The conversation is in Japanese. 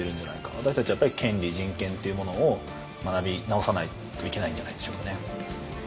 私たちはやっぱり権利人権というものを学び直さないといけないんじゃないでしょうかね。